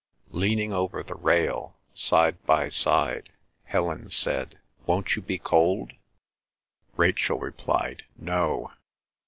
Leaning over the rail, side by side, Helen said, "Won't you be cold?" Rachel replied, "No.